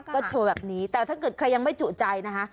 ก็โชว์แบบนี้แต่ถ้าเกิดใครยังไม่จุใจนะคะ